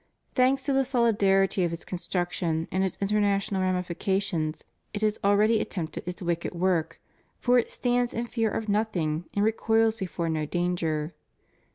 Thanks to the solidarity of its construction and its international ramifications, it has already attempted its wicked work, for it stands in fear of nothing and recoils before no danger.